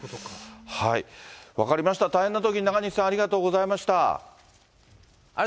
分かりました、大変なときに中西さん、ありがとうございました。